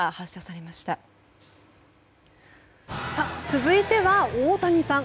続いては大谷さん。